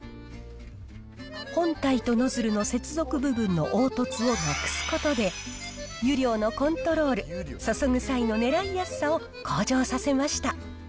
本体とノズルの接続部分の凹凸をなくすことで、湯量のコントロール、注ぐ際の狙いやすさを向上させました。